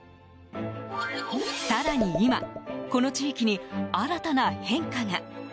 更に今この地域に新たな変化が。